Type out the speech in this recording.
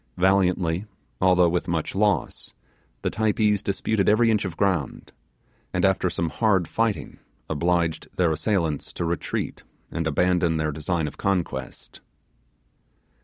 Valiantly, although with much loss, the Typees disputed every inch of ground, and after some hard fighting obliged their assailants to retreat and abandon their design of conquest.